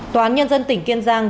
tòa án nhân dân tỉnh kiên giang